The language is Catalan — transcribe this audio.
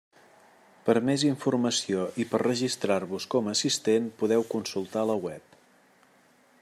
Per a més informació i per registrar-vos com a assistent podeu consultar la web.